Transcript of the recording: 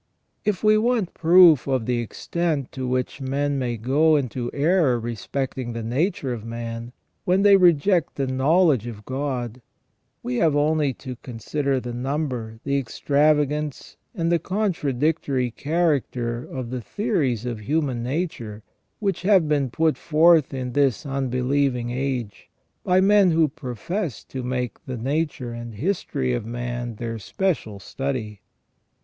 If we want proof of the extent to which men may go into error respecting the nature of man, when they reject the knowledge of God, we have only to consider the number, the extravagance, and the contradictory character of the theories of human nature which have been put forth in this unbelieving age, by men who profess to make the nature and history of man their special study.